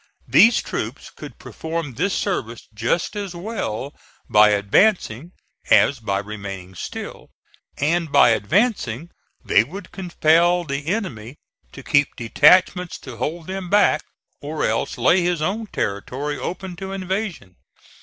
These troops could perform this service just as well by advancing as by remaining still; and by advancing they would compel the enemy to keep detachments to hold them back, or else lay his own territory open to invasion.